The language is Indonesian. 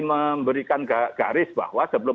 memberikan garis bahwa sebelum